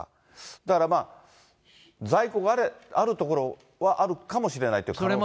だから、在庫がある所はあるかもしれないという可能性はある。